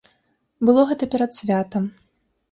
Было гэта перад святам.